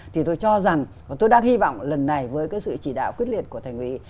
thì tôi cho rằng tôi đang hy vọng lần này với cái sự chỉ đạo quyết liệt của thành ủy